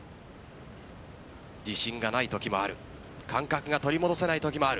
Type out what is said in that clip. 自信がないときもある感覚が取り戻せないときもある。